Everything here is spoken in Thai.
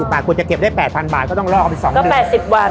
ถ้าคุณจะเก็บได้๘๐๐๐บาทก็ต้องรออีก๒เดือน